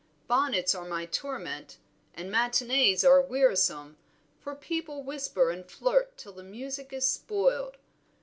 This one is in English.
Bonnets are my torment, and matinées are wearisome, for people whisper and flirt till the music is spoiled.